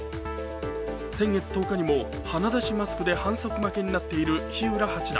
先月１０日にも鼻出しマスクで反則負けになっている日浦八段